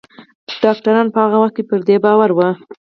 ډاکتران په هغه وخت کې پر دې باور وو